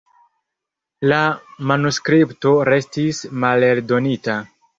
La manuskripto restis maleldonita.